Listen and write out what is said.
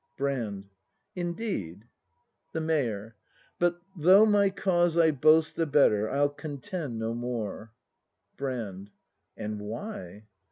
Brand. Indeed The Mayor. But though my cause I boast The better, I'll contend no more. Brand. And why?